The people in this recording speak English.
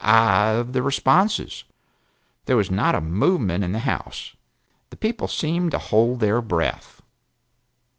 "No!" "Aye!" of the responses. There was not a movement in the House; the people seemed to hold their breath.